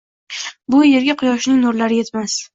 Bu yerga quyoshning nurlari yetmas.